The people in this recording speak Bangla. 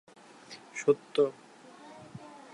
কাশী ঠাকুর নিজেকে রাজা গণেশ-এর বংশোদ্ভূত বলে দাবি করতেন।